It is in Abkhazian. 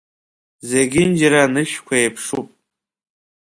Зегьынџьара анышәқәа еиԥшуп.